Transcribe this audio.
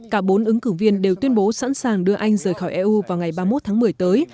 cả bốn ứng cử viên đều tuyên bố sẵn sàng đưa anh rời khỏi eu vào ngày ba mươi một tháng một mươi tới